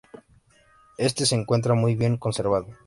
Éste se encuentra muy bien conservado.